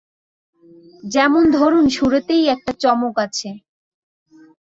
যেমন ধরুন, শুরুতেই একটা চমক আছে।